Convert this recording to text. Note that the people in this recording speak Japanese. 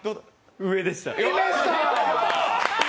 上でした。